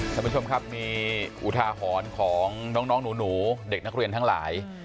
ท่านผู้ชมครับมีอุทาหรณ์ของน้องหนูเด็กนักเรียนทั้งหลาย